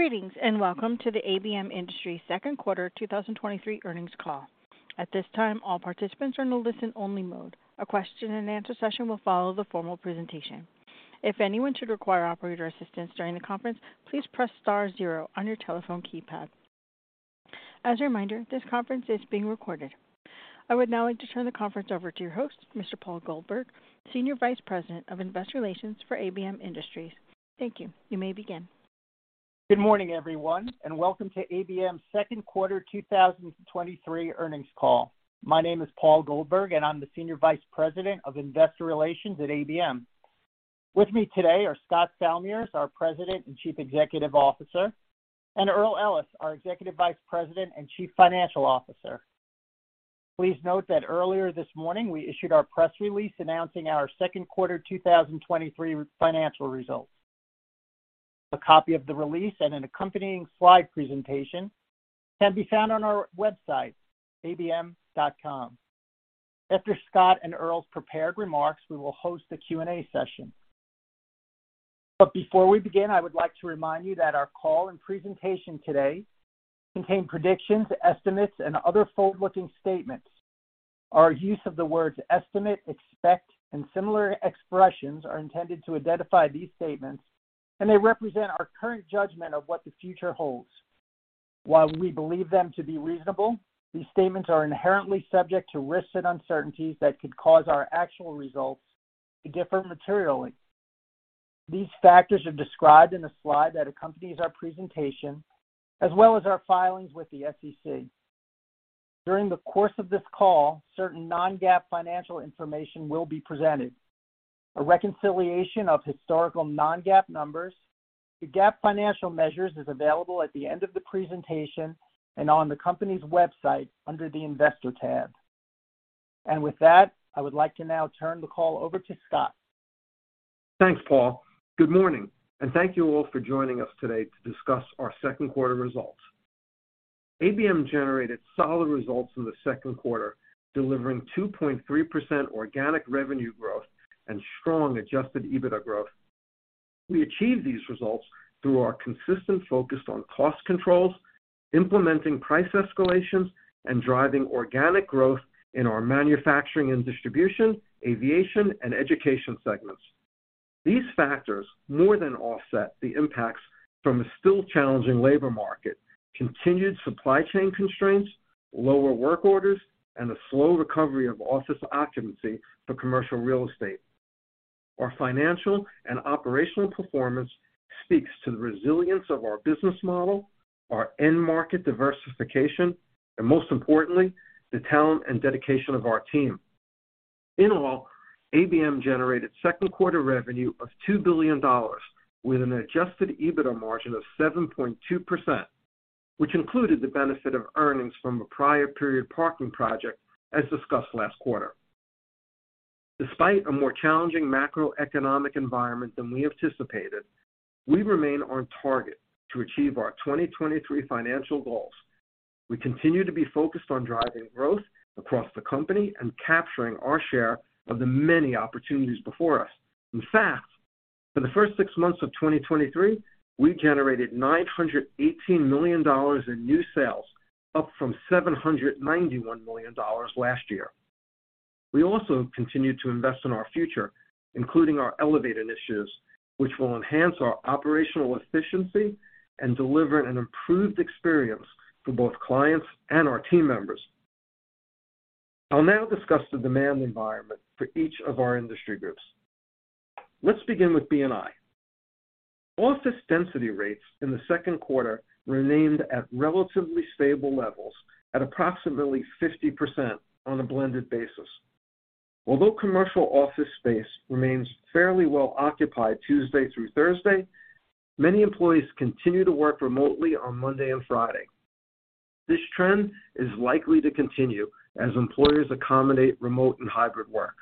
Greetings, welcome to the ABM Industries Q2 2023 Earnings Call. At this time, all participants are in a listen-only mode. A question and answer session will follow the formal presentation. If anyone should require operator assistance during the conference, please press star zero on your telephone keypad. As a reminder, this conference is being recorded. I would now like to turn the conference over to your host, Mr. Paul Goldberg, Senior Vice President of Investor Relations for ABM Industries. Thank you. You may begin. Good morning, everyone, and welcome to ABM's Q2 2023 Earnings Call. My name is Paul Goldberg, and I'm the Senior Vice President of Investor Relations at ABM. With me today are Scott Salmirs, our President and Chief Executive Officer, and Earl Ellis, our Executive Vice President and Chief Financial Officer. Please note that earlier this morning, we issued our press release announcing our Q2 2023 financial results. A copy of the release and an accompanying slide presentation can be found on our website, abm.com. After Scott and Earl's prepared remarks, we will host a Q&A session. But before we begin, I would like to remind you that our call and presentation today contain predictions, estimates, and other forward-looking statements. Our use of the words estimate, expect, and similar expressions are intended to identify these statements. They represent our current judgment of what the future holds. While we believe them to be reasonable, these statements are inherently subject to risks and uncertainties that could cause our actual results to differ materially. These factors are described in the slide that accompanies our presentation, as well as our filings with the SEC. During the course of this call, certain non-GAAP financial information will be presented. A reconciliation of historical non-GAAP numbers to GAAP financial measures is available at the end of the presentation and on the company's website under the Investor tab. With that, I would like to now turn the call over to Scott. Thanks, Paul. Good morning, and thank you all for joining us today to discuss our Q2 results. ABM generated solid results in the Q2, delivering 2.3% organic revenue growth and strong adjusted EBITDA growth. We achieved these results through our consistent focus on cost controls, implementing price escalations, and driving organic growth in our manufacturing and distribution, aviation and education segments. These factors more than offset the impacts from a still challenging labor market, continued supply chain constraints, lower work orders, and a slow recovery of office occupancy for commercial real estate. Our financial and operational performance speaks to the resilience of our business model, our end market diversification, and most importantly, the talent and dedication of our team. In all, ABM generated Q2 revenue of $2 billion with an adjusted EBITDA margin of 7.2%, which included the benefit of earnings from a prior period parking project, as discussed last quarter. Despite a more challenging macroeconomic environment than we anticipated, we remain on target to achieve our 2023 financial goals. We continue to be focused on driving growth across the company and capturing our share of the many opportunities before us. For the first 6 months of 2023, we generated $918 million in new sales, up from $791 million last year. We also continued to invest in our future, including our ELEVATE initiatives, which will enhance our operational efficiency and deliver an improved experience for both clients and our team members. I'll now discuss the demand environment for each of our industry groups. Let's begin with B&I. Office density rates in the Q2 remained at relatively stable levels at approximately 50% on a blended basis. Although commercial office space remains fairly well occupied Tuesday through Thursday, many employees continue to work remotely on Monday and Friday. This trend is likely to continue as employers accommodate remote and hybrid work.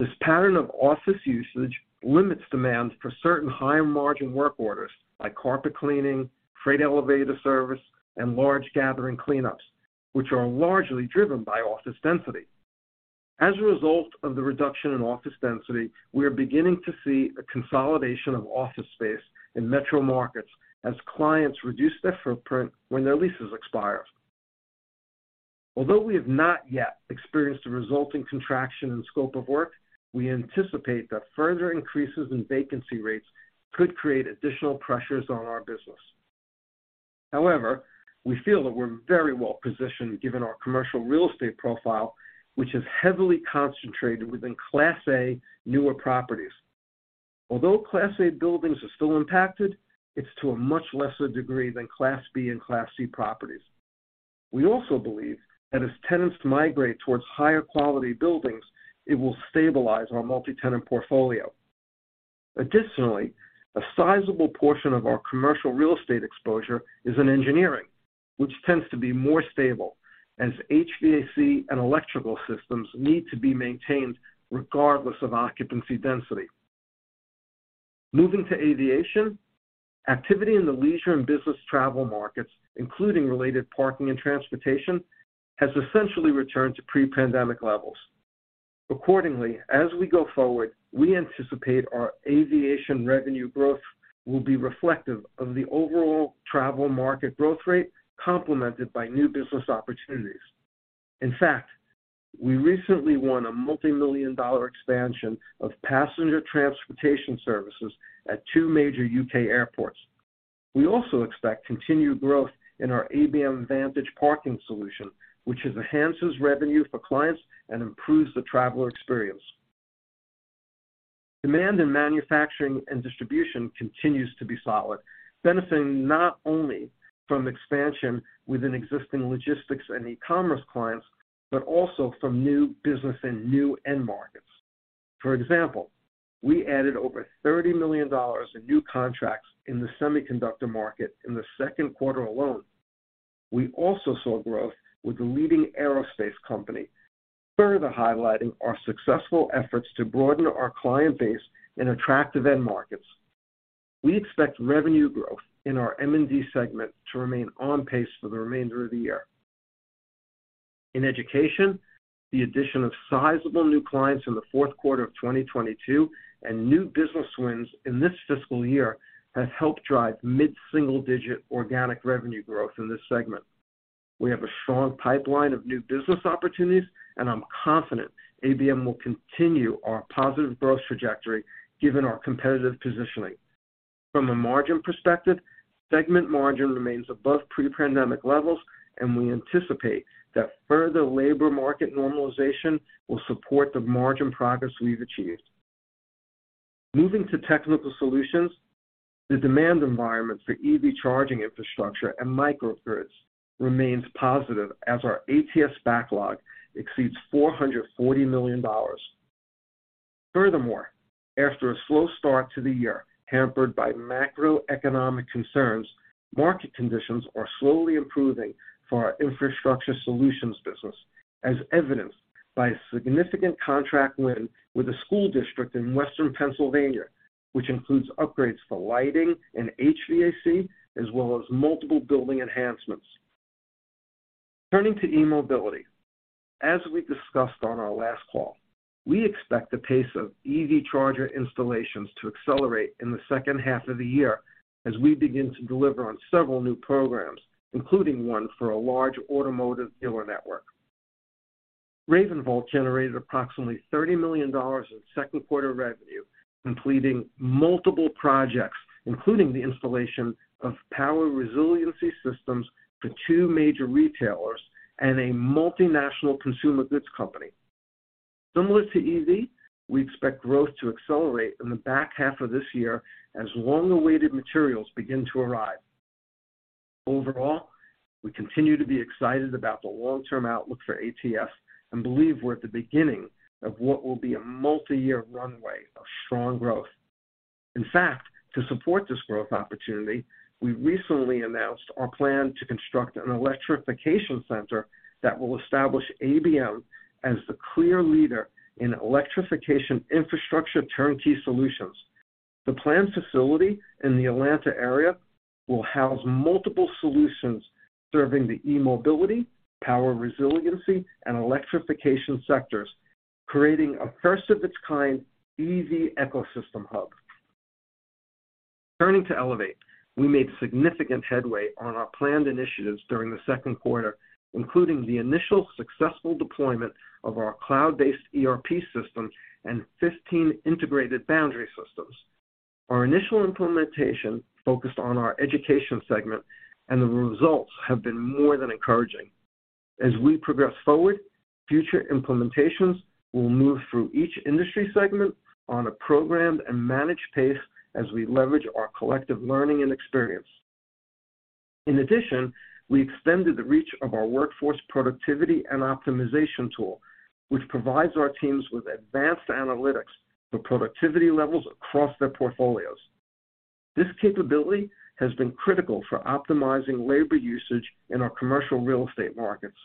This pattern of office usage limits demands for certain higher-margin work orders, like carpet cleaning, freight elevator service, and large gathering cleanups, which are largely driven by office density. As a result of the reduction in office density, we are beginning to see a consolidation of office space in metro markets as clients reduce their footprint when their leases expire. Although we have not yet experienced a resulting contraction in scope of work, we anticipate that further increases in vacancy rates could create additional pressures on our business. We feel that we're very well-positioned, given our commercial real estate profile, which is heavily concentrated within Class A newer properties. Although Class A buildings are still impacted, it's to a much lesser degree than Class B and Class C properties. We also believe that as tenants migrate towards higher quality buildings, it will stabilize our multi-tenant portfolio. Additionally, a sizable portion of our commercial real estate exposure is in engineering, which tends to be more stable as HVAC and electrical systems need to be maintained regardless of occupancy density. Moving to aviation, activity in the leisure and business travel markets, including related parking and transportation, has essentially returned to pre-pandemic levels. Accordingly, as we go forward, we anticipate our aviation revenue growth will be reflective of the overall travel market growth rate, complemented by new business opportunities. In fact, we recently won a multi-million-dollar expansion of passenger transportation services at two major U.K. airports. We also expect continued growth in our ABM Vantage Parking solution, which enhances revenue for clients and improves the traveler experience. Demand in manufacturing and distribution continues to be solid, benefiting not only from expansion within existing logistics and e-commerce clients, but also from new business and new end markets. For example, we added over $30 million in new contracts in the semiconductor market in the Q2 alone. We also saw growth with a leading aerospace company, further highlighting our successful efforts to broaden our client base in attractive end markets. We expect revenue growth in our M&D segment to remain on pace for the remainder of the year. In education, the addition of sizable new clients in the Q4 of 2022 and new business wins in this fiscal year has helped drive mid-single-digit organic revenue growth in this segment. We have a strong pipeline of new business opportunities. I'm confident ABM will continue our positive growth trajectory given our competitive positioning. From a margin perspective, segment margin remains above pre-pandemic levels. We anticipate that further labor market normalization will support the margin progress we've achieved. Moving to technical solutions, the demand environment for EV charging infrastructure and microgrids remains positive as our ATS backlog exceeds $440 million. After a slow start to the year, hampered by macroeconomic concerns, market conditions are slowly improving for our infrastructure solutions business, as evidenced by a significant contract win with a school district in western Pennsylvania, which includes upgrades for lighting and HVAC, as well as multiple building enhancements. Turning to eMobility, as we discussed on our last call, we expect the pace of EV charger installations to accelerate in the second half of the year as we begin to deliver on several new programs, including one for a large automotive dealer network. RavenVolt generated approximately $30 million in Q2 revenue, completing multiple projects, including the installation of power resiliency systems for two major retailers and a multinational consumer goods company. Similar to EV, we expect growth to accelerate in the back half of this year as long-awaited materials begin to arrive. Overall, we continue to be excited about the long-term outlook for ATS and believe we're at the beginning of what will be a multiyear runway of strong growth. To support this growth opportunity, we recently announced our plan to construct an electrification center that will establish ABM as the clear leader in electrification infrastructure turnkey solutions. The planned facility in the Atlanta area will house multiple solutions serving the eMobility, power resiliency, and electrification sectors, creating a first-of-its-kind EV ecosystem hub. Turning to ELEVATE, we made significant headway on our planned initiatives during the Q2, including the initial successful deployment of our cloud-based ERP system and 15 integrated boundary systems. Our initial implementation focused on our education segment, the results have been more than encouraging. As we progress forward, future implementations will move through each industry segment on a programmed and managed pace as we leverage our collective learning and experience. In addition, we extended the reach of our workforce productivity and optimization tool, which provides our teams with advanced analytics for productivity levels across their portfolios. This capability has been critical for optimizing labor usage in our commercial real estate markets.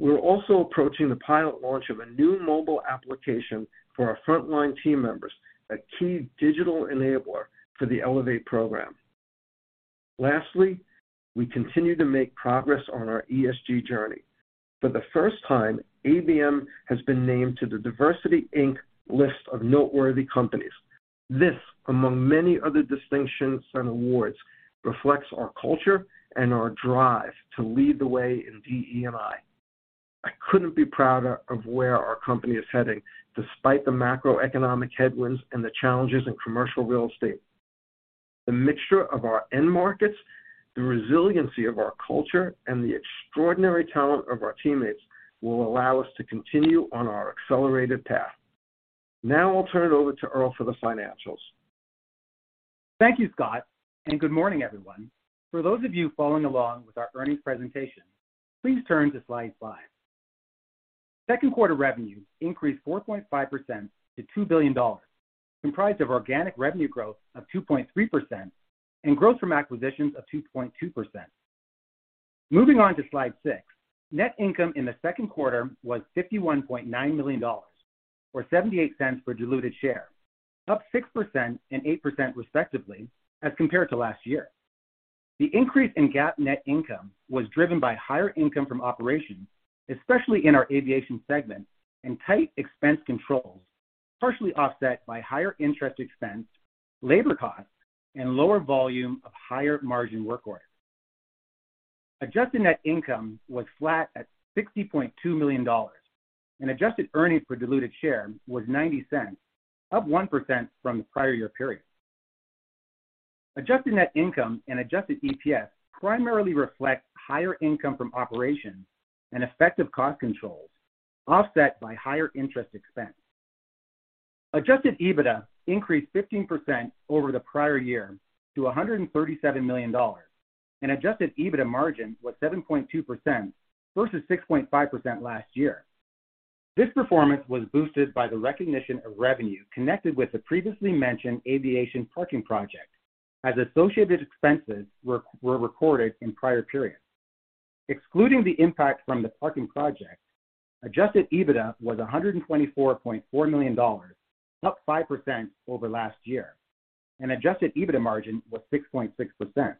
We're also approaching the pilot launch of a new mobile application for our frontline team members, a key digital enabler for the ELEVATE program. Lastly, we continue to make progress on our ESG journey. For the first time, ABM has been named to the DiversityInc List of Noteworthy Companies. This, among many other distinctions and awards, reflects our culture and our drive to lead the way in DE&I. I couldn't be prouder of where our company is heading, despite the macroeconomic headwinds and the challenges in commercial real estate. The mixture of our end markets, the resiliency of our culture, and the extraordinary talent of our teammates will allow us to continue on our accelerated path. Now I'll turn it over to Earl for the financials. Thank you, Scott. Good morning, everyone. For those of you following along with our earnings presentation, please turn to slide 5. Q2 revenue increased 4.5% to $2 billion, comprised of organic revenue growth of 2.3% and growth from acquisitions of 2.2%. Moving on to slide 6. Net income in the Q2 was $51.9 million, or $0.78 per diluted share, up 6% and 8%, respectively, as compared to last year. The increase in GAAP net income was driven by higher income from operations, especially in our aviation segment, and tight expense controls, partially offset by higher interest expense, labor costs, and lower volume of higher margin work orders. Adjusted net income was flat at $60.2 million. Adjusted earnings per diluted share was $0.90, up 1% from the prior year period. Adjusted net income and adjusted EPS primarily reflect higher income from operations and effective cost controls, offset by higher interest expense. Adjusted EBITDA increased 15% over the prior year to $137 million. Adjusted EBITDA margin was 7.2% versus 6.5% last year. This performance was boosted by the recognition of revenue connected with the previously mentioned aviation parking project, as associated expenses were recorded in prior periods. Excluding the impact from the parking project, adjusted EBITDA was $124.4 million, up 5% over last year. Adjusted EBITDA margin was 6.6%.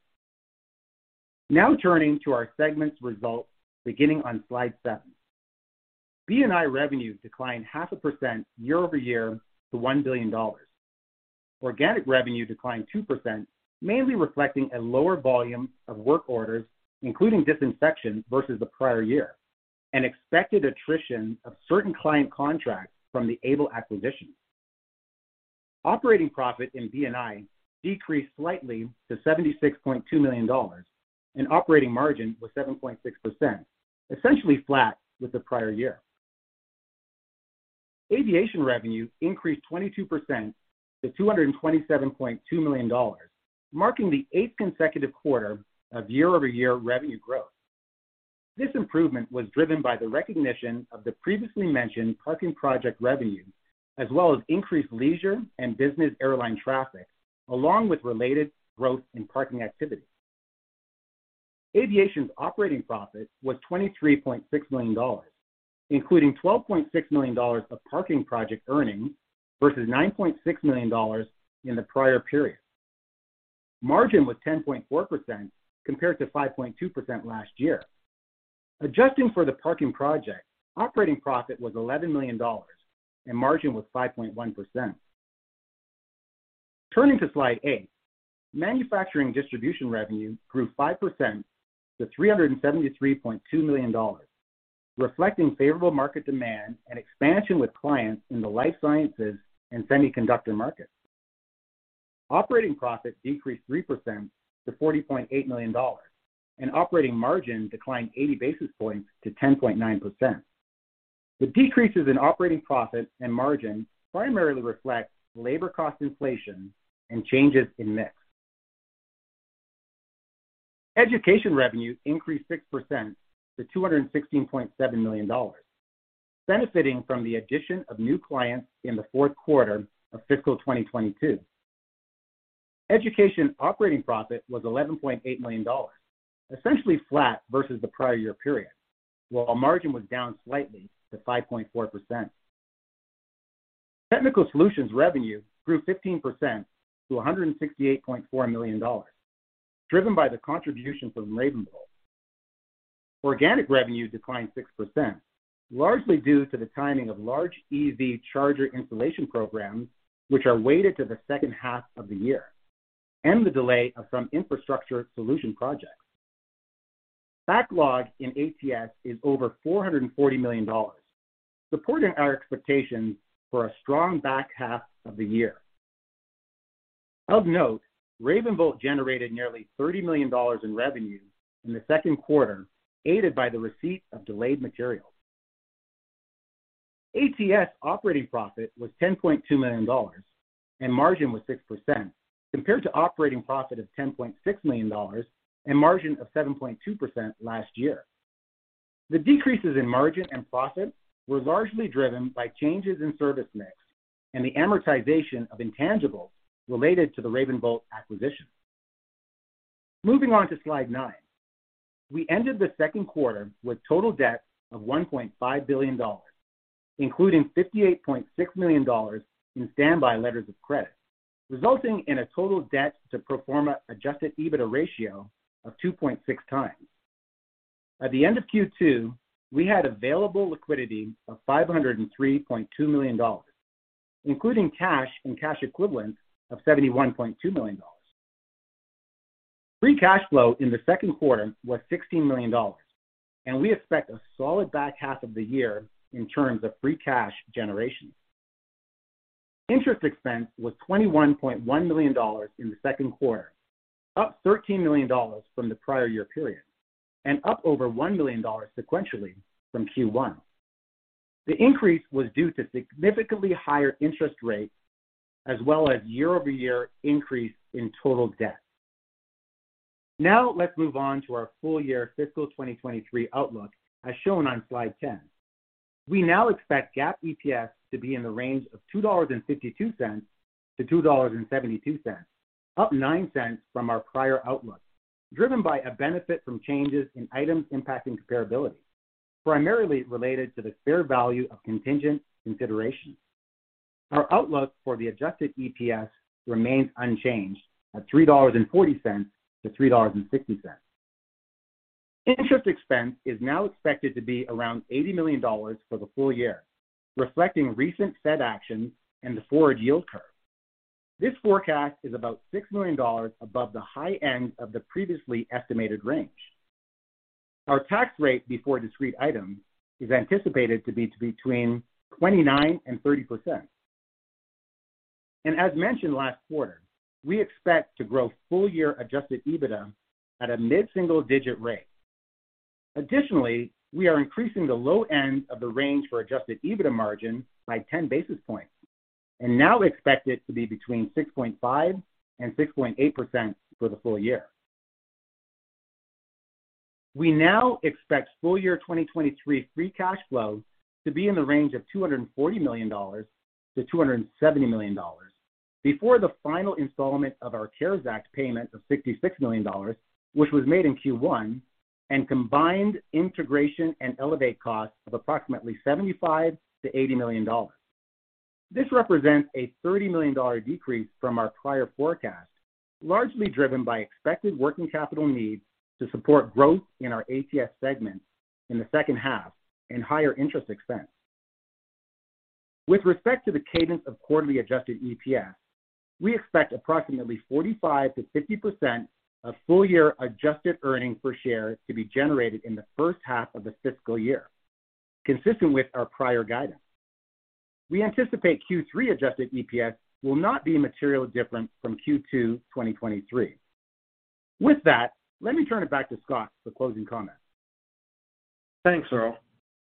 Now turning to our segments results, beginning on slide 7. B&I revenue declined half a % year-over-year to $1 billion. Organic revenue declined 2%, mainly reflecting a lower volume of work orders, including disinfection, versus the prior year, and expected attrition of certain client contracts from the ABLE acquisition. Operating profit in B&I decreased slightly to $76.2 million. Operating margin was 7.6%, essentially flat with the prior year. Aviation revenue increased 22% to $227.2 million, marking the eighth consecutive quarter of year-over-year revenue growth. This improvement was driven by the recognition of the previously mentioned parking project revenue, as well as increased leisure and business airline traffic, along with related growth in parking activity. Aviation's operating profit was $23.6 million, including $12.6 million of parking project earnings versus $9.6 million in the prior period. Margin was 10.4% compared to 5.2% last year. Adjusting for the parking project, operating profit was $11 million, and margin was 5.1%. Turning to slide 8. Manufacturing distribution revenue grew 5% to $373.2 million, reflecting favorable market demand and expansion with clients in the life sciences and semiconductor markets. Operating profit decreased 3% to $40.8 million, and operating margin declined 80 basis points to 10.9%. The decreases in operating profit and margin primarily reflect labor cost inflation and changes in mix. Education revenue increased 6% to $216.7 million, benefiting from the addition of new clients in the Q4 of fiscal 2022. Education operating profit was $11.8 million, essentially flat versus the prior year period, while margin was down slightly to 5.4%. Technical solutions revenue grew 15% to $168.4 million, driven by the contribution from RavenVolt. Organic revenue declined 6%, largely due to the timing of large EV charger installation programs, which are weighted to the second half of the year, and the delay of some infrastructure solution projects. Backlog in ATS is over $440 million, supporting our expectations for a strong back half of the year. Of note, RavenVolt generated nearly $30 million in revenue in the Q2, aided by the receipt of delayed materials. ATS operating profit was $10.2 million, and margin was 6%, compared to operating profit of $10.6 million and margin of 7.2% last year. The decreases in margin and profit were largely driven by changes in service mix and the amortization of intangibles related to the RavenVolt acquisition. Moving on to slide 9. We ended the Q2 with total debt of $1.5 billion, including $58.6 million in standby letters of credit, resulting in a total debt to pro forma adjusted EBITDA ratio of 2.6 times. At the end of Q2, we had available liquidity of $503.2 million, including cash and cash equivalents of $71.2 million. Free cash flow in the Q2 was $16 million, and we expect a solid back half of the year in terms of free cash generation. Interest expense was $21.1 million in the Q2, up $13 million from the prior year period, and up over $1 million sequentially from Q1. The increase was due to significantly higher interest rates, as well as year-over-year increase in total debt. Let's move on to our full-year fiscal 2023 outlook, as shown on slide 10. We now expect GAAP EPS to be in the range of $2.52-$2.72, up $0.09 from our prior outlook, driven by a benefit from changes in items impacting comparability, primarily related to the fair value of contingent considerations. Our outlook for the adjusted EPS remains unchanged at $3.40-$3.60. Interest expense is now expected to be around $80 million for the full year, reflecting recent Fed actions and the forward yield curve. This forecast is about $6 million above the high end of the previously estimated range. Our tax rate before discrete items is anticipated to be between 29%-30%. As mentioned last quarter, we expect to grow full year adjusted EBITDA at a mid-single-digit rate. Additionally, we are increasing the low end of the range for adjusted EBITDA margin by 10 basis points and now expect it to be between 6.5% and 6.8% for the full year. We now expect full year 2023 free cash flow to be in the range of $240 million-$270 million, before the final installment of our CARES Act payment of $66 million, which was made in Q1, and combined integration and ELEVATE costs of approximately $75 million-$80 million. This represents a $30 million decrease from our prior forecast, largely driven by expected working capital needs to support growth in our ATS segments in the second half and higher interest expense. With respect to the cadence of quarterly adjusted EPS, we expect approximately 45%-50% of full year adjusted earnings per share to be generated in the first half of the fiscal year, consistent with our prior guidance. We anticipate Q3 adjusted EPS will not be materially different from Q2 2023. Let me turn it back to Scott for closing comments. Thanks, Earl.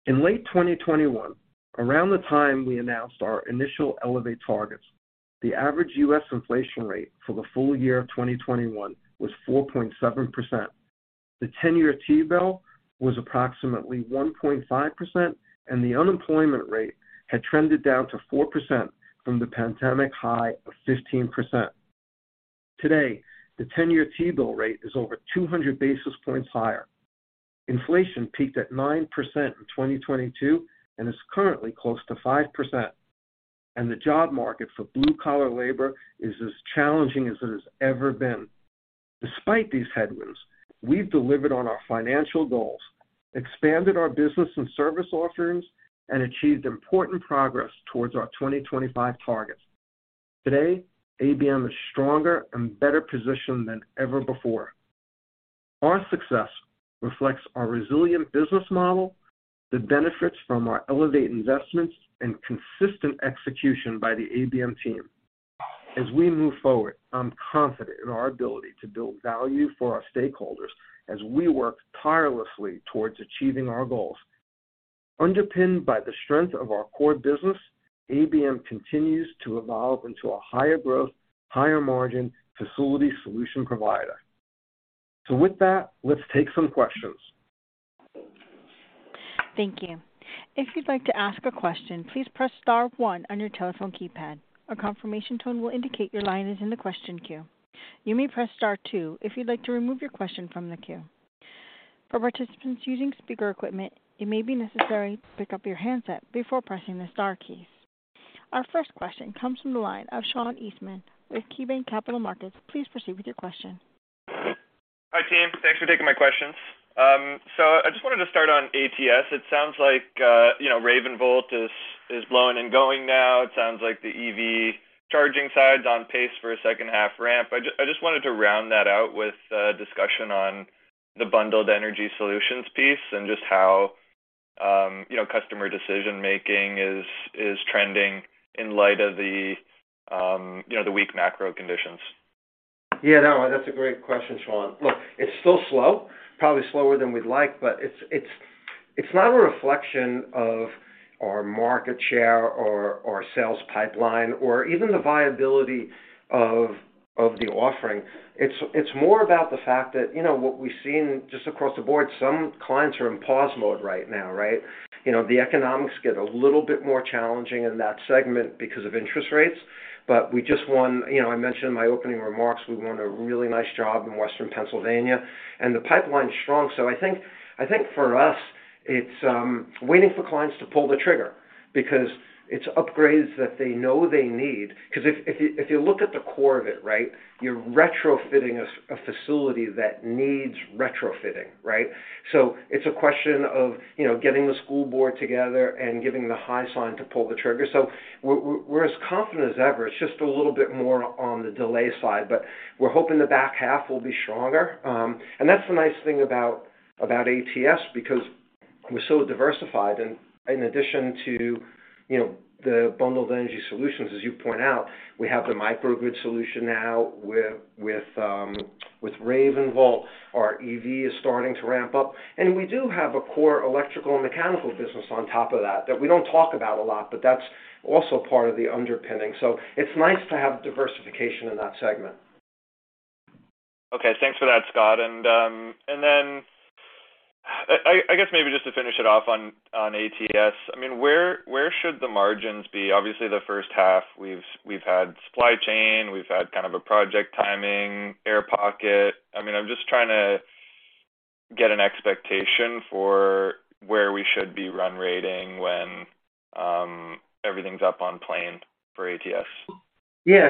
In late 2021, around the time we announced our initial ELEVATE targets, the average U.S. inflation rate for the full year of 2021 was 4.7%. The 10-year T-Note was approximately 1.5%, the unemployment rate had trended down to 4% from the pandemic high of 15%. Today, the 10-year T-Note rate is over 200 basis points higher. Inflation peaked at 9% in 2022 and is currently close to 5%, the job market for blue-collar labor is as challenging as it has ever been. Despite these headwinds, we've delivered on our financial goals, expanded our business and service offerings, and achieved important progress towards our 2025 targets. Today, ABM is stronger and better positioned than ever before. Our success reflects our resilient business model, the benefits from our ELEVATE investments, and consistent execution by the ABM team. As we move forward, I'm confident in our ability to build value for our stakeholders as we work tirelessly towards achieving our goals. Underpinned by the strength of our core business, ABM continues to evolve into a higher growth, higher margin facility solution provider. With that, let's take some questions. Thank you. If you'd like to ask a question, please press star one on your telephone keypad. A confirmation tone will indicate your line is in the question queue. You may press star two if you'd like to remove your question from the queue. For participants using speaker equipment, it may be necessary to pick up your handset before pressing the star keys. Our first question comes from the line of Sean Eastman with KeyBanc Capital Markets. Please proceed with your question. Hi, team. Thanks for taking my questions. I just wanted to start on ATS. It sounds like, you know, RavenVolt is blowing and going now. It sounds like the EV charging side is on pace for a second-half ramp. I just wanted to round that out with discussion on the Bundled Energy Solutions piece and just how, you know, customer decision making is trending in light of the, you know, the weak macro conditions. Yeah, no, that's a great question, Sean. Look, it's still slow, probably slower than we'd like, but it's not a reflection of our market share or our sales pipeline, or even the viability of the offering. It's more about the fact that, you know, what we've seen just across the board, some clients are in pause mode right now, right? You know, the economics get a little bit more challenging in that segment because of interest rates. We just won. You know, I mentioned in my opening remarks, we won a really nice job in Western Pennsylvania, and the pipeline is strong. I think for us, it's waiting for clients to pull the trigger because it's upgrades that they know they need. Because if you look at the core of it, right, you're retrofitting a facility that needs retrofitting, right? It's a question of, you know, getting the school board together and getting the high sign to pull the trigger. We're as confident as ever. It's just a little bit more on the delay side, but we're hoping the back half will be stronger. That's the nice thing about ATS, because we're so diversified. In addition to, you know, the Bundled Energy Solutions, as you point out, we have the microgrid solution now with RavenVolt. Our EV is starting to ramp up, and we do have a core electrical and mechanical business on top of that we don't talk about a lot, but that's also part of the underpinning. It's nice to have diversification in that segment. Okay, thanks for that, Scott. I guess maybe just to finish it off on ATS, I mean, where should the margins be? Obviously, the first half we've had supply chain, we've had kind of a project timing, air pocket. I mean, I'm just trying to get an expectation for where we should be run rating when everything's up on plane for ATS? Yeah.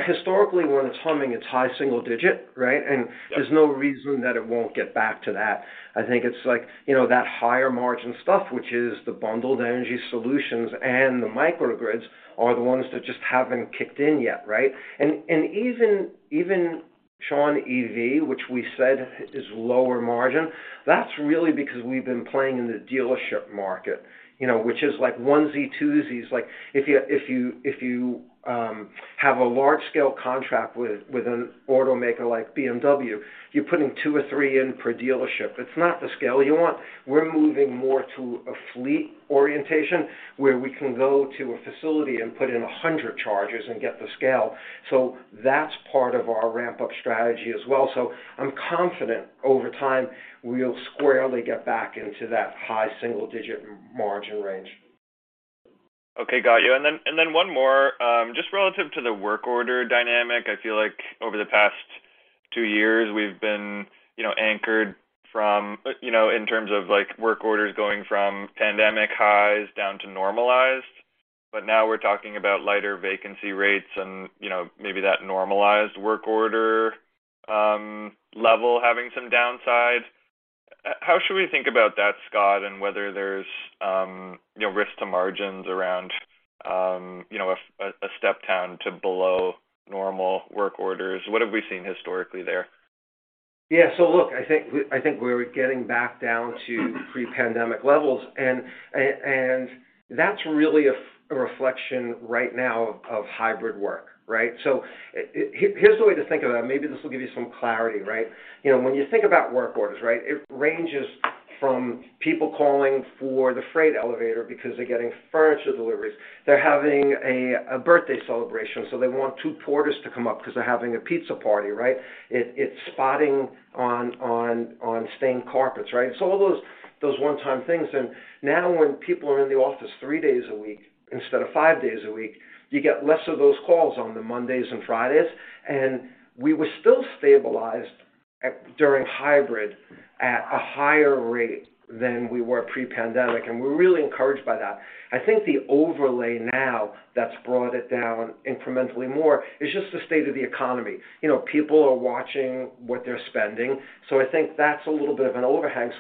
Historically, when it's humming, it's high single digit, right? Yeah. There's no reason that it won't get back to that. I think it's like, you know, that higher margin stuff, which is the Bundled Energy Solutions and the microgrids, are the ones that just haven't kicked in yet, right? Even Sean EV, which we said is lower margin, that's really because we've been playing in the dealership market, you know, which is like onesie, twosies. If you have a large-scale contract with an automaker like BMW, you're putting two or three in per dealership. It's not the scale you want. We're moving more to a fleet orientation, where we can go to a facility and put in 100 chargers and get the scale. That's part of our ramp-up strategy as well. I'm confident over time, we'll squarely get back into that high single-digit margin range. Okay, got you. one more. Just relative to the work order dynamic, I feel like over the past 2 years, we've been, you know, anchored You know, in terms of, like, work orders going from pandemic highs down to normalized. Now we're talking about lighter vacancy rates and, you know, maybe that normalized work order level having some downside. How should we think about that, Scott, and whether there's, you know, risk to margins around, you know, a step down to below normal work orders? What have we seen historically there? Yeah. Look, I think we're getting back down to pre-pandemic levels, and that's really a reflection right now of hybrid work, right? Here's a way to think about it. Maybe this will give you some clarity, right? You know, when you think about work orders, right, it ranges from people calling for the freight elevator because they're getting furniture deliveries. They're having a birthday celebration, they want 2 porters to come up because they're having a pizza party, right? It's spotting on stained carpets, right? All those one-time things, and now when people are in the office 3 days a week instead of 5 days a week, you get less of those calls on the Mondays and Fridays. We were still stabilized during hybrid at a higher rate than we were pre-pandemic, and we're really encouraged by that. I think the overlay now that's brought it down incrementally more is just the state of the economy. You know, people are watching what they're spending, so I think that's a little bit of an overhang.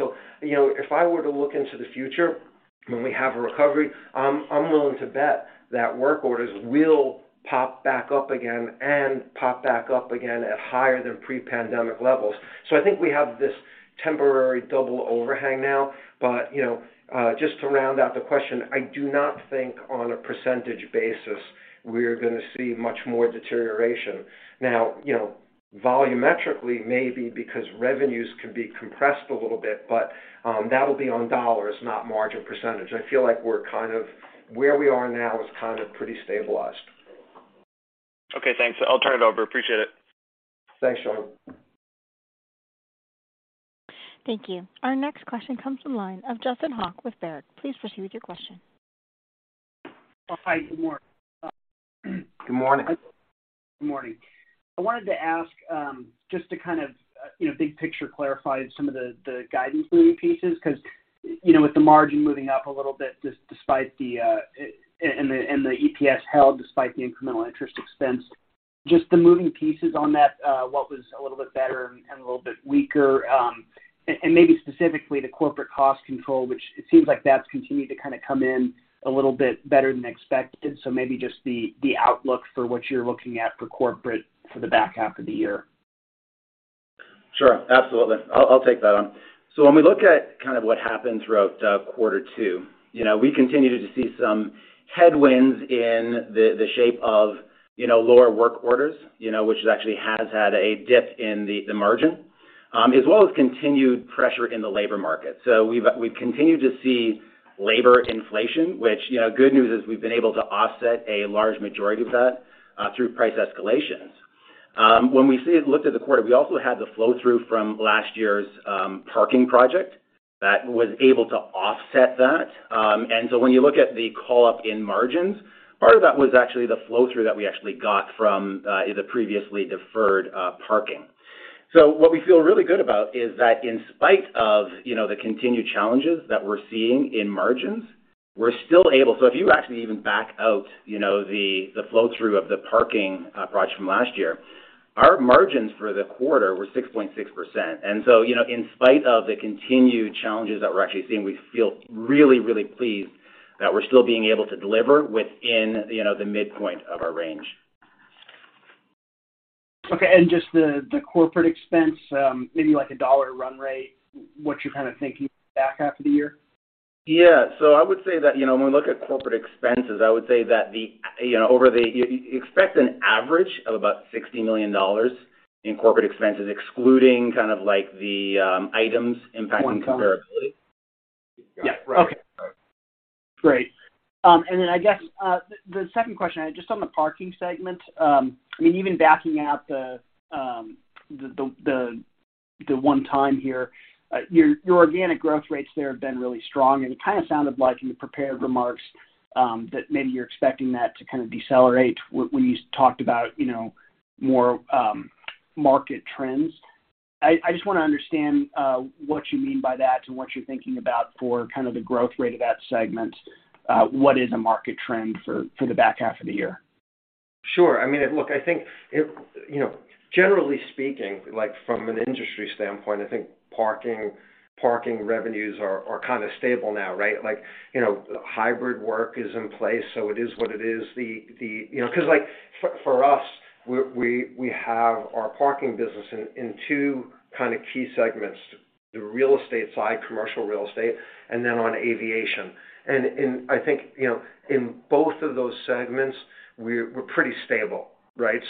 You know, if I were to look into the future when we have a recovery, I'm willing to bet that work orders will pop back up again and pop back up again at higher than pre-pandemic levels. I think we have this temporary double overhang now, but, you know, just to round out the question, I do not think on a % basis, we are gonna see much more deterioration. You know, volumetrically, maybe because revenues can be compressed a little bit, but that'll be on dollars, not margin %. I feel like we're where we are now is kind of pretty stabilized. Okay, thanks. I'll turn it over. Appreciate it. Thanks, Sean. Thank you. Our next question comes from line of Justin Hauke with Baird. Please proceed with your question. Hi, good morning. Good morning. Good morning. I wanted to ask, just to kind of, you know, big picture, clarify some of the guidance moving pieces, because, you know, with the margin moving up a little bit, despite the, and the EPS held, despite the incremental interest expense, just the moving pieces on that, what was a little bit better and a little bit weaker? Maybe specifically the corporate cost control, which it seems like that's continued to kind of come in a little bit better than expected. Maybe just the outlook for what you're looking at for corporate for the back half of the year. Sure. Absolutely. I'll take that on. When we look at kind of what happened throughout quarter two, you know, we continued to see some headwinds in the shape of, you know, lower work orders, you know, which actually has had a dip in the margin, as well as continued pressure in the labor market. We've continued to see labor inflation, which, you know, good news is we've been able to offset a large majority of that through price escalations. When we looked at the quarter, we also had the flow-through from last year's parking project that was able to offset that. When you look at the call-up in margins, part of that was actually the flow-through that we actually got from the previously deferred parking. What we feel really good about is that in spite of, you know, the continued challenges that we're seeing in margins. If you actually even back out, you know, the flow-through of the parking project from last year, our margins for the quarter were 6.6%. You know, in spite of the continued challenges that we're actually seeing, we feel really, really pleased that we're still being able to deliver within, you know, the midpoint of our range. Just the corporate expense, maybe like a $ run rate, what you're kind of thinking back half of the year? I would say that, you know, when we look at corporate expenses, I would say that the, you know, expect an average of about $60 million in corporate expenses, excluding kind of like the items impacting comparability. Yeah. Okay. Great. I guess the second question I had, just on the parking segment, I mean, even backing out the one time here, your organic growth rates there have been really strong, and it kind of sounded like in the prepared remarks that maybe you're expecting that to kind of decelerate when you talked about, you know, more market trends. I just wanna understand what you mean by that and what you're thinking about for kind of the growth rate of that segment. What is the market trend for the back half of the year? Sure. I mean, look, I think, it, you know, generally speaking, like from an industry standpoint, I think parking revenues are kind of stable now, right? You know, hybrid work is in place, so it is what it is. You know, 'cause, like, for us, we have our parking business in two kind of key segments: the real estate side, commercial real estate, and then on aviation. I think, you know, in both of those segments, we're pretty stable, right?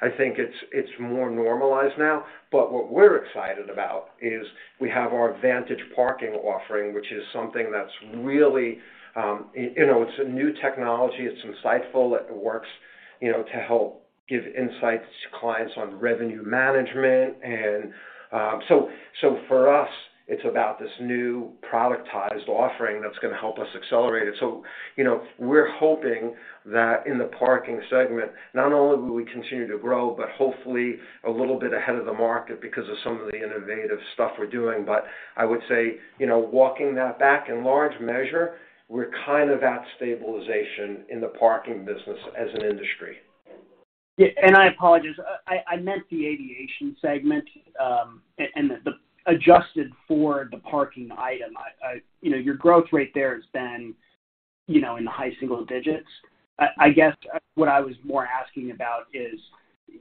I think it's more normalized now. What we're excited about is we have our ABM Vantage offering, which is something that's really, you know, it's a new technology, it's insightful, it works, you know, to help give insights to clients on revenue management. For us, it's about this new productized offering that's gonna help us accelerate it. You know, we're hoping that in the parking segment, not only will we continue to grow, but hopefully a little bit ahead of the market because of some of the innovative stuff we're doing. I would say, you know, walking that back in large measure, we're kind of at stabilization in the parking business as an industry. Yeah, I apologize. I meant the aviation segment, and the adjusted for the parking item. You know, your growth rate there has been, you know, in the high single digits. I guess what I was more asking about is,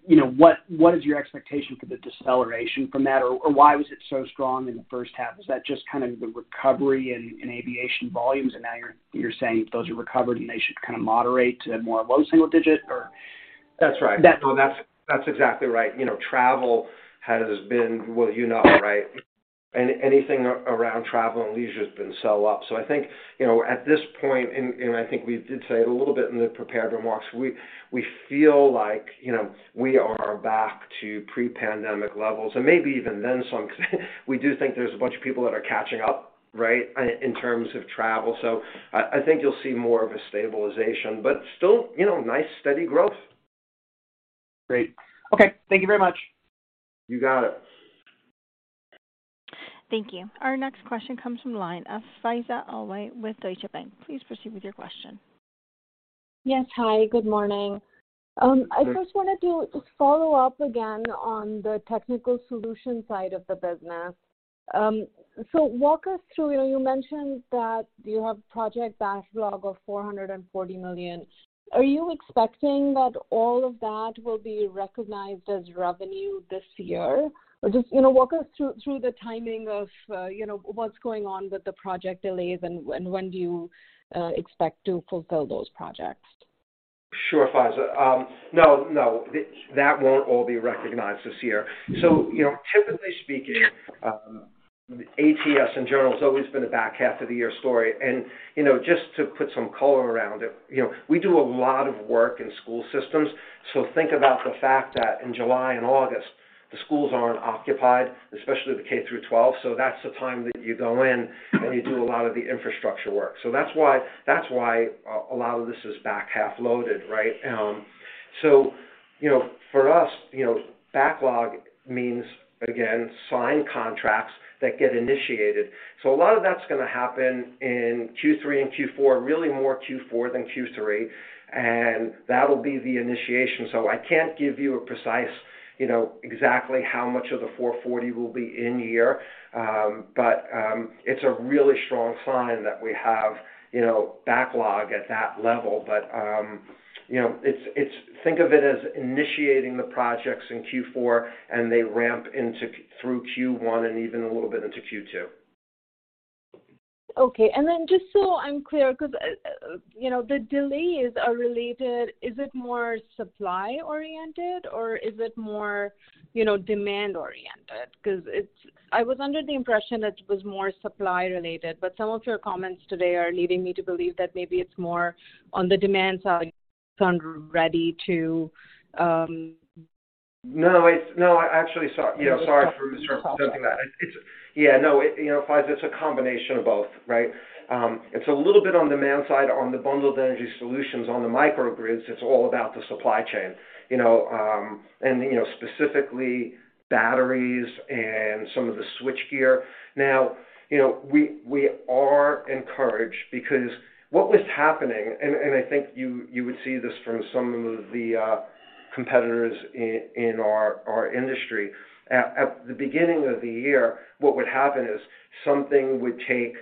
you know, what is your expectation for the deceleration from that? Or why was it so strong in the first half? Is that just kind of the recovery in aviation volumes, and now you're saying those are recovered, and they should kind of moderate to a more low single digit, or? That's right.No, that's exactly right. You know, travel has been, well, you know, right? Anything around travel and leisure has been so up. I think, you know, at this point, and I think we did say it a little bit in the prepared remarks, we feel like, you know, we are back to pre-pandemic levels and maybe even then some, because we do think there's a bunch of people that are catching up, right, in terms of travel. I think you'll see more of a stabilization, but still, you know, nice, steady growth. Great. Okay, thank you very much. You got it. Thank you. Our next question comes from the line of Faiza Alwy with Deutsche Bank. Please proceed with your question. Yes. Hi, good morning. Hi. I first wanted to follow up again on the technical solutions side of the business. Walk us through, you know, you mentioned that you have project backlog of $440 million. Are you expecting that all of that will be recognized as revenue this year? Just, you know, walk us through the timing of, you know, what's going on with the project delays and when do you expect to fulfill those projects? Sure, Faiza. That won't all be recognized this year. You know, typically speaking, ATS in general has always been a back half of the year story. You know, just to put some color around it, you know, we do a lot of work in school systems, so think about the fact that in July and August, the schools aren't occupied, especially the K through 12. That's the time that you go in, and you do a lot of the infrastructure work. That's why, that's why a lot of this is back half loaded, right? You know, for us, you know, backlog means, again, signed contracts that get initiated. A lot of that's gonna happen in Q3 and Q4, really more Q4 than Q3, and that'll be the initiation. I can't give you a precise, you know, exactly how much of the $440 will be in year, it's a really strong sign that we have, you know, backlog at that level. You know, it's think of it as initiating the projects in Q4, and they ramp into through Q1 and even a little bit into Q2. Okay. Just so I'm clear, 'cause, you know, the delays are related, is it more supply oriented, or is it more, you know, demand oriented? I was under the impression that it was more supply related, but some of your comments today are leading me to believe that maybe it's more on the demand side, aren't ready to. No, actually, you know, sorry for jumping that. It's, yeah, no, it, you know, Faiza Alwy, it's a combination of both, right? It's a little bit on demand side, on the Bundled Energy Solutions, on the microgrids, it's all about the supply chain. You know, specifically batteries and some of the switchgear. Now, you know, we are encouraged because what was happening, and I think you would see this from some of the competitors in our industry. At the beginning of the year, what would happen is, something would take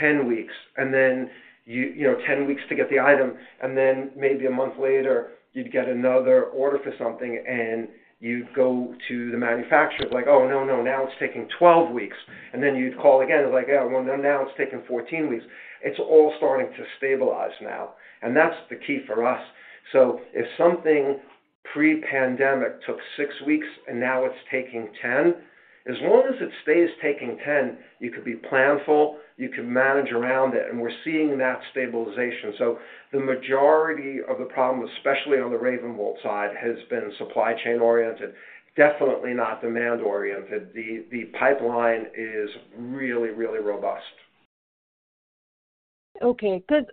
10 weeks, then you know, 10 weeks to get the item, then maybe a month later, you'd get another order for something, and you'd go to the manufacturer, like, "Oh, no, now it's taking 12 weeks." Then you'd call again, and like, "Yeah, well, now it's taking 14 weeks." It's all starting to stabilize now, that's the key for us. If something pre-pandemic took 6 weeks and now it's taking 10, as long as it stays taking 10, you could be planful, you can manage around it, and we're seeing that stabilization. The majority of the problem, especially on the RavenVolt side, has been supply chain-oriented, definitely not demand oriented. The pipeline is really, really robust. Okay, 'cause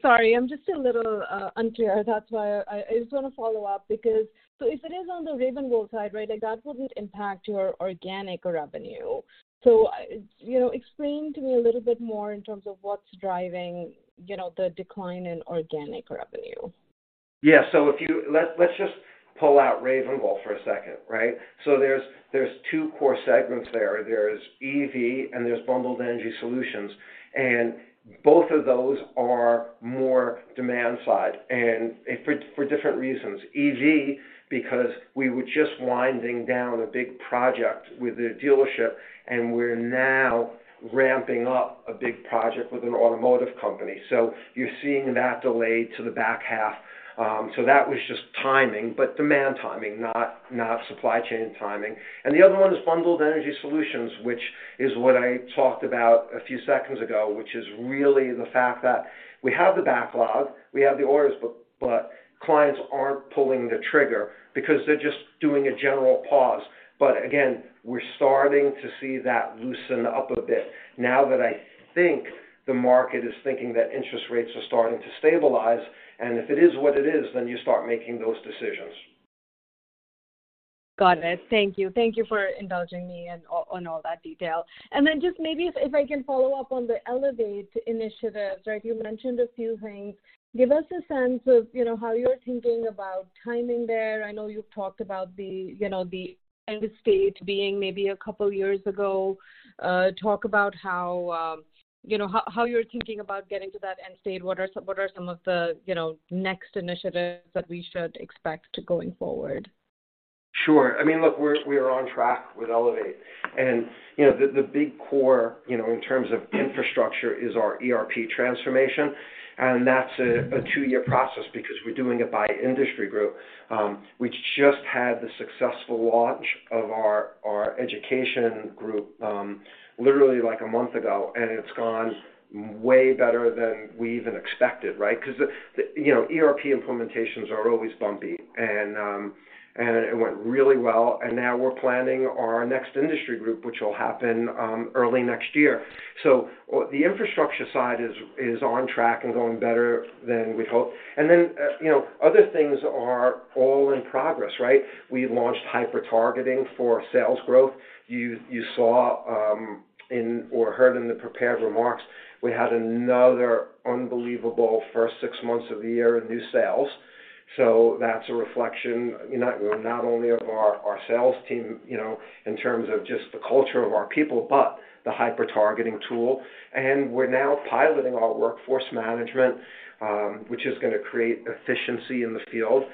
sorry, I'm just a little unclear. That's why I just wanna follow up because so if it is on the RavenVolt side, right, like, that wouldn't impact your organic revenue. You know, explain to me a little bit more in terms of what's driving, you know, the decline in organic revenue. Yeah, let's just pull out RavenVolt for a second, right? There's 2 core segments there. There's EV, and there's Bundled Energy Solutions. Both of those are more demand side, and for different reasons. EV, because we were just winding down a big project with a dealership, and we're now ramping up a big project with an automotive company. You're seeing that delay to the back half. That was just timing, but demand timing, not supply chain timing. The other one is Bundled Energy Solutions, which is what I talked about a few seconds ago, which is really the fact that we have the backlog, we have the orders, but clients aren't pulling the trigger because they're just doing a general pause. Again, we're starting to see that loosen up a bit now that I think the market is thinking that interest rates are starting to stabilize. If it is what it is, then you start making those decisions. Got it. Thank you. Thank you for indulging me in all, on all that detail. Just maybe if I can follow up on the ELEVATE initiatives, right? You mentioned a few things. Give us a sense of, you know, how you're thinking about timing there. I know you've talked about the, you know, the end state being maybe a couple of years ago. Talk about how, you know, how you're thinking about getting to that end state. What are some of the, you know, next initiatives that we should expect going forward? Sure. I mean, look, we are on track with ELEVATE. You know, the big core, you know, in terms of infrastructure, is our ERP transformation, and that's a 2-year process because we're doing it by industry group. We just had the successful launch of our education group, literally like a month ago, and it's gone way better than we even expected, right? 'Cause the, you know, ERP implementations are always bumpy, and it went really well, and now we're planning our next industry group, which will happen early next year. The infrastructure side is on track and going better than we hoped. You know, other things are all in progress, right? We launched hyper-targeting for sales growth. You saw in or heard in the prepared remarks, we had another unbelievable first six months of the year in new sales. That's a reflection, not only of our sales team, you know, in terms of just the culture of our people, but the hyper-targeting tool. We're now piloting our workforce management, which is gonna create efficiency in the field.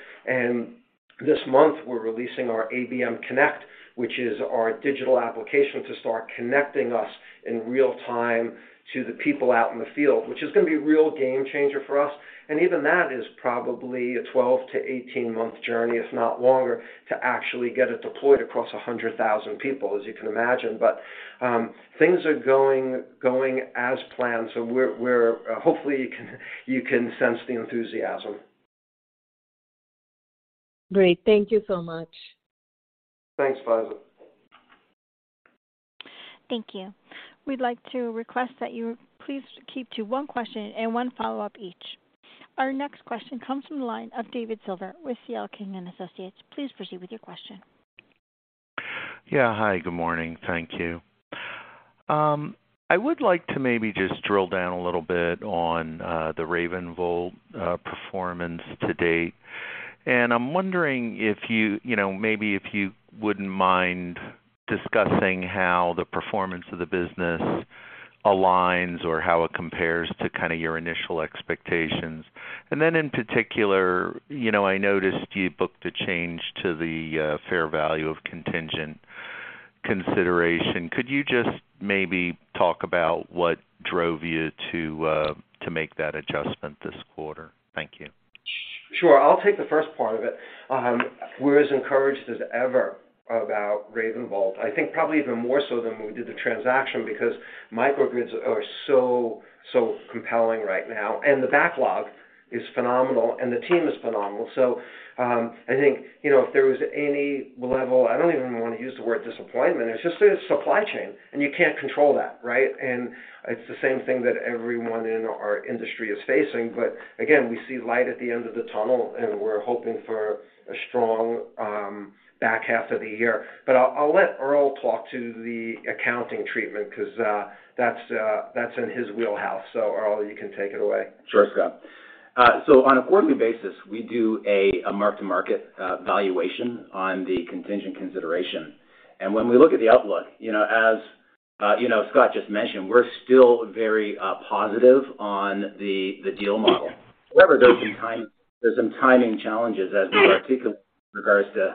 This month, we're releasing our ABM Connect, which is our digital application to start connecting us in real time to the people out in the field, which is gonna be a real game changer for us. Even that is probably a 12-18 month journey, if not longer, to actually get it deployed across 100,000 people, as you can imagine. Things are going as planned, we're... Hopefully, you can sense the enthusiasm. Great. Thank you so much. Thanks, Faiza. Thank you. We'd like to request that you please keep to one question and one follow-up each. Our next question comes from the line of David Silver with CL King & Associates. Please proceed with your question. Yeah. Hi, good morning. Thank you. I would like to maybe just drill down a little bit on the RavenVolt performance to date. I'm wondering if you know, maybe if you wouldn't mind discussing how the performance of the business aligns or how it compares to kind of your initial expectations. In particular, you know, I noticed you booked a change to the fair value of contingent consideration. Could you just maybe talk about what drove you to make that adjustment this quarter? Thank you. Sure. I'll take the first part of it. We're as encouraged as ever about RavenVolt. I think probably even more so than when we did the transaction, because microgrids are so compelling right now, and the backlog is phenomenal, and the team is phenomenal. I think, you know, if there was any level, I don't even want to use the word disappointment, it's just the supply chain, and you can't control that, right? It's the same thing that everyone in our industry is facing. Again, we see light at the end of the tunnel, and we're hoping for a strong back half of the year. I'll let Earl talk to the accounting treatment 'cause that's in his wheelhouse. Earl, you can take it away. Sure, Scott. On a quarterly basis, we do a mark-to-market valuation on the contingent consideration. When we look at the outlook, you know, as, you know, Scott just mentioned, we're still very positive on the deal model. However, there's some timing challenges as we are, particularly with regards to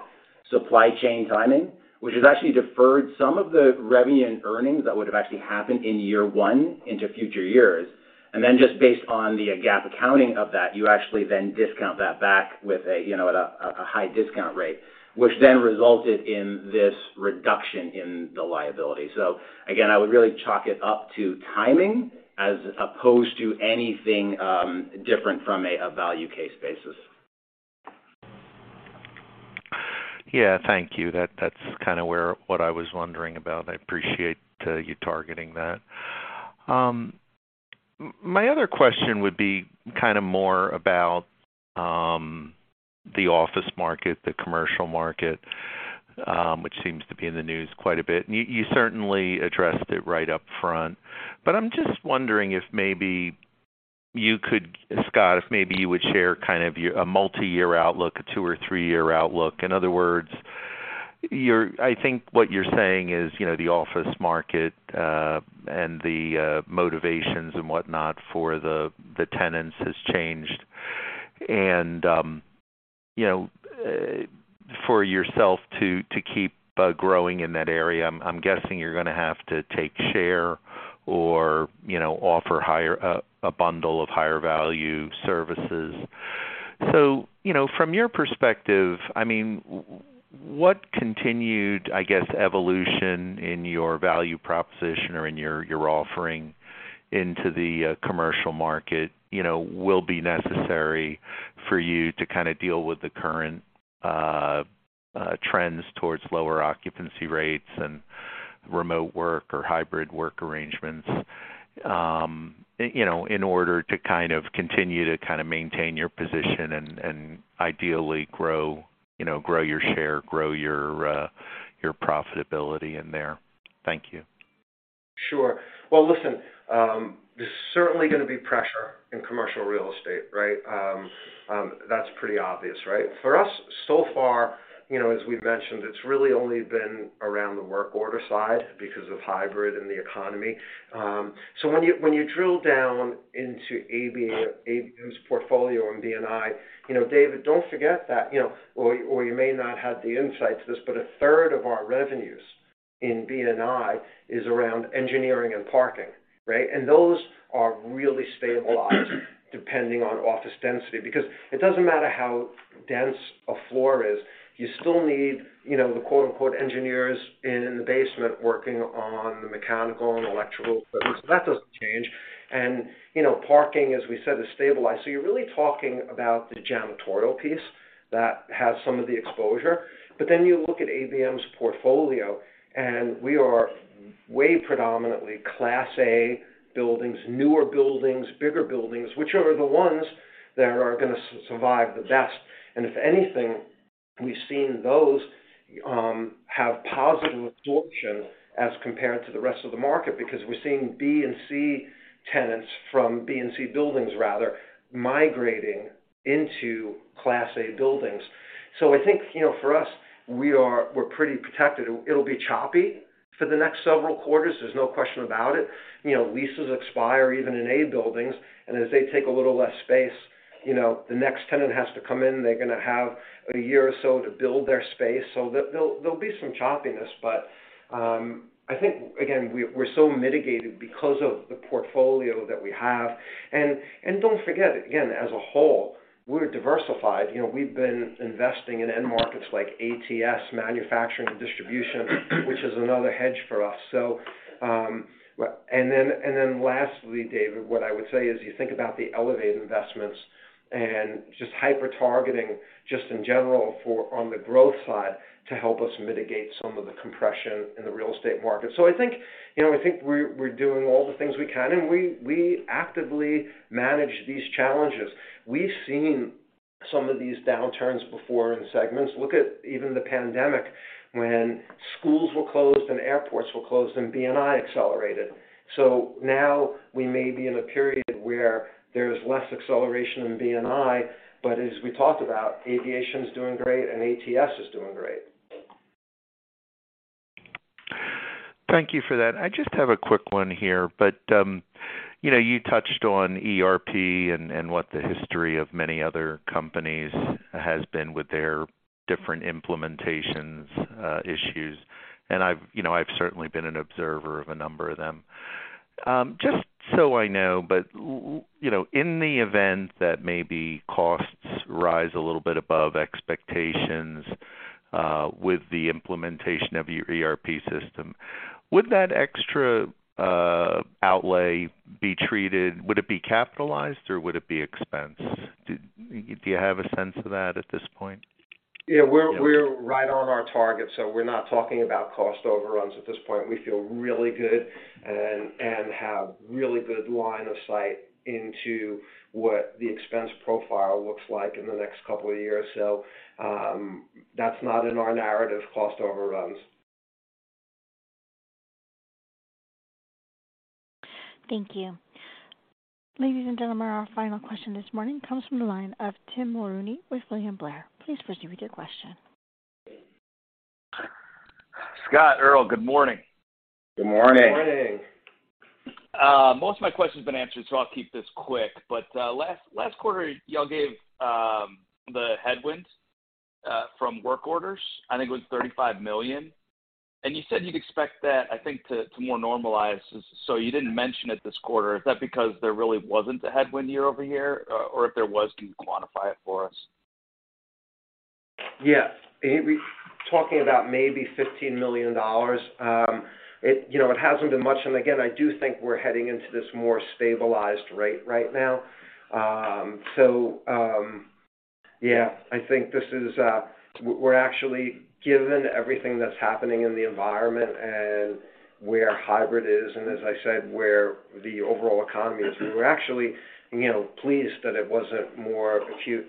supply chain timing, which has actually deferred some of the revenue and earnings that would have actually happened in year 1 into future years. Just based on the GAAP accounting of that, you actually then discount that back with a, you know, at a high discount rate, which then resulted in this reduction in the liability. Again, I would really chalk it up to timing as opposed to anything different from a value case basis. Yeah, thank you. That's kind of where what I was wondering about. I appreciate you targeting that. My other question would be kind of more about the office market, the commercial market, which seems to be in the news quite a bit. You certainly addressed it right up front, but I'm just wondering if maybe you could, Scott, if maybe you would share kind of your, a multiyear outlook, a 2 or 3-year outlook. In other words, you're I think what you're saying is, you know, the office market, and the motivations and whatnot for the tenants has changed. You know, for yourself to keep growing in that area, I'm guessing you're gonna have to take share or, you know, offer higher, a bundle of higher value services. You know, from your perspective, I mean, what continued, I guess, evolution in your value proposition or in your offering into the commercial market, you know, will be necessary for you to kind of deal with the current trends towards lower occupancy rates and remote work or hybrid work arrangements, you know, in order to continue to maintain your position and ideally grow, you know, grow your share, grow your profitability in there? Thank you. Sure. Well, listen, there's certainly gonna be pressure in commercial real estate, right? That's pretty obvious, right? For us, so far, you know, as we've mentioned, it's really only been around the work order side because of hybrid and the economy. When you drill down into ABM's portfolio in B&I, you know, David, don't forget that, you know, or you may not have the insight to this, but a third of our revenues in B&I is around engineering and parking, right? Those are really stabilized depending on office density, because it doesn't matter how dense a floor is, you still need, you know, the quote, unquote "engineers" in the basement working on the mechanical and electrical equipment. That doesn't change. You know, parking, as we said, is stabilized. You're really talking about the janitorial piece that has some of the exposure. You look at ABM's portfolio, and we are way predominantly Class A buildings, newer buildings, bigger buildings, which are the ones that are gonna survive the best. If anything, we've seen those have positive absorption as compared to the rest of the market, because we're seeing B and C tenants from B and C buildings, rather, migrating into Class A buildings. I think, you know, for us, we're pretty protected. It'll be choppy for the next several quarters, there's no question about it. You know, leases expire even in A buildings, and as they take a little less space, you know, the next tenant has to come in. They're gonna have a year or so to build their space. There, there'll be some choppiness, but I think, again, we're so mitigated because of the portfolio that we have. Don't forget, again, as a whole, we're diversified. You know, we've been investing in end markets like ATS, manufacturing, and distribution, which is another hedge for us. And then lastly, David, what I would say is, you think about the ELEVATE investments and just hyper targeting, just in general, for on the growth side, to help us mitigate some of the compression in the real estate market. I think, you know, I think we're doing all the things we can, and we actively manage these challenges. We've seen some of these downturns before in segments. Look at even the pandemic, when schools were closed and airports were closed, and B&I accelerated. Now we may be in a period where there's less acceleration in B&I, but as we talked about, aviation is doing great and ATS is doing great. Thank you for that. I just have a quick one here, you know, you touched on ERP and what the history of many other companies has been with their different implementations, issues. I've, you know, I've certainly been an observer of a number of them. Just so I know, you know, in the event that maybe costs rise a little bit above expectations with the implementation of your ERP system, would that extra outlay be treated, would it be capitalized or would it be expense? Do you have a sense of that at this point? We're right on our target, so we're not talking about cost overruns at this point. We feel really good and have really good line of sight into what the expense profile looks like in the next couple of years. That's not in our narrative, cost overruns. Thank you. Ladies and gentlemen, our final question this morning comes from the line of Tim Mulrooney with William Blair. Please proceed with your question. Scott, Earl, good morning. Good morning. Good morning. Most of my question has been answered, so I'll keep this quick. Last, last quarter, y'all gave the headwinds from work orders. I think it was $35 million. You said you'd expect that, I think, to more normalize. You didn't mention it this quarter, is that because there really wasn't a headwind year-over-year, or if there was, can you quantify it for us? Yeah. We talking about maybe $15 million. it, you know, it hasn't been much, and again, I do think we're heading into this more stabilized rate right now. Yeah, I think this is, we're actually, given everything that's happening in the environment and where hybrid is, and as I said, where the overall economy is, we were actually, you know, pleased that it wasn't more acute.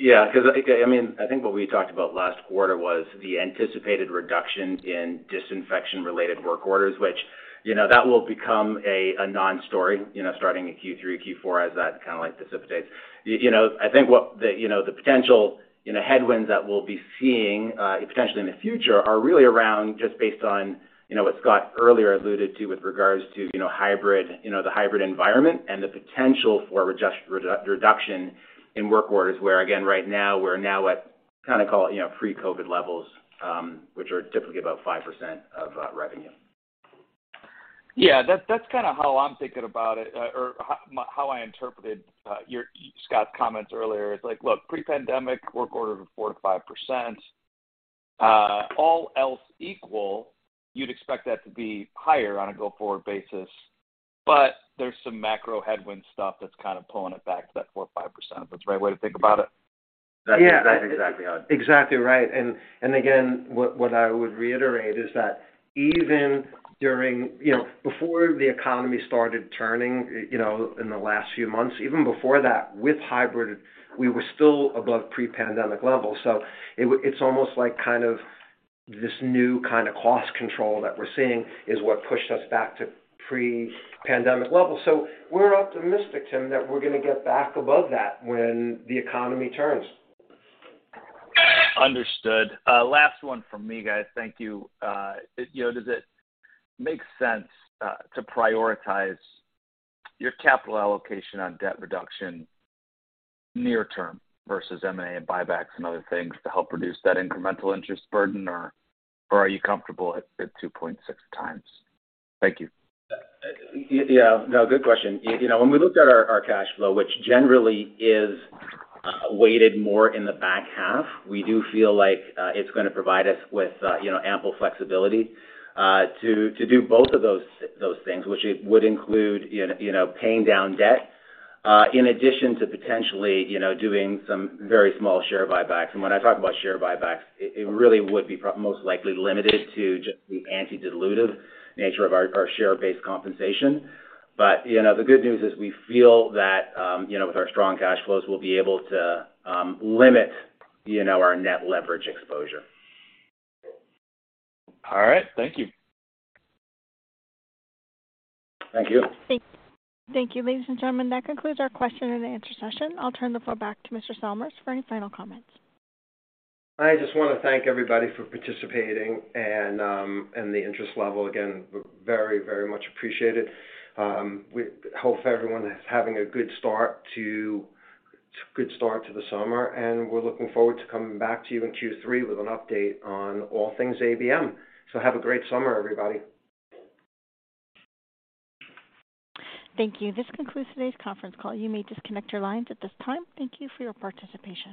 Yeah, 'cause, I mean, I think what we talked about last quarter was the anticipated reduction in disinfection-related work orders, which, you know, that will become a non-story, you know, starting in Q3, Q4, as that kind of, like, dissipates. I think what the, you know, the potential, you know, headwinds that we'll be seeing potentially in the future are really around just based on, you know, what Scott earlier alluded to with regards to, you know, hybrid, you know, the hybrid environment and the potential for reduction in work orders, where, again, right now, we're now at, kind of call it, you know, pre-COVID levels, which are typically about 5% of revenue. Yeah, that's kind of how I'm thinking about it, or how I interpreted Scott's comments earlier is like, look, pre-pandemic work order of 4%-5%. All else equal, you'd expect that to be higher on a go-forward basis, but there's some macro headwind stuff that's kind of pulling it back to that 4, 5%. If that's the right way to think about it? That's exactly how. Exactly right. Again, what I would reiterate is that even during, you know, before the economy started turning, you know, in the last few months, even before that, with hybrid, we were still above pre-pandemic levels. It's almost like kind of this new kind of cost control that we're seeing is what pushed us back to pre-pandemic levels. We're optimistic, Tim, that we're gonna get back above that when the economy turns. Understood. Last one from me, guys. Thank you. You know, does it make sense to prioritize your capital allocation on debt reduction near term versus M&A and buybacks and other things to help reduce that incremental interest burden, or are you comfortable at 2.6 times? Thank you. Yeah, no, good question. You know, when we looked at our cash flow, which generally is weighted more in the back half, we do feel like it's gonna provide us with, you know, ample flexibility to do both of those things, which it would include, you know, paying down debt in addition to potentially, you know, doing some very small share buybacks. When I talk about share buybacks, it really would be most likely limited to just the anti-dilutive nature of our share-based compensation. You know, the good news is we feel that, you know, with our strong cash flows, we'll be able to limit, you know, our net leverage exposure. All right. Thank you. Thank you. Thank you, ladies and gentlemen, that concludes our question and answer session. I'll turn the floor back to Mr. Salmirs for any final comments. I just wanna thank everybody for participating and the interest level, again, very much appreciated. We hope everyone is having a good start to the summer, and we're looking forward to coming back to you in Q3 with an update on all things ABM. Have a great summer, everybody. Thank you. This concludes today's conference call. You may disconnect your lines at this time. Thank you for your participation.